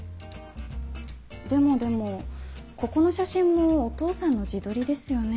でもでもここの写真もお父さんの自撮りですよね？